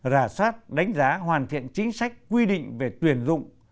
rà soát đánh giá hoàn thiện chính sách quy định về tuyển dụng